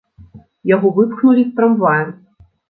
Яго выпхнулі з трамвая.